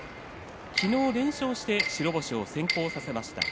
昨日連勝して白星を先行させました。